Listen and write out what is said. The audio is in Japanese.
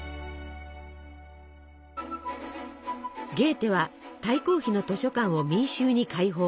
ゲーテは大公妃の図書館を民衆に開放。